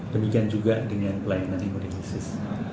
demikian juga dengan pelayanan imunisasis